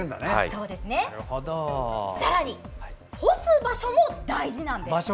さらに、干す場所も大事なんです。